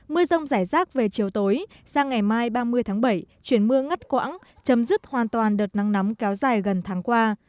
mưa rông rải rác về chiều tối sang ngày mai ba mươi tháng bảy chuyển mưa ngắt quãng chấm dứt hoàn toàn đợt nắng nóng kéo dài gần tháng qua